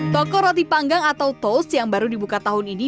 toko roti panggang atau toast yang baru dibuka tahun ini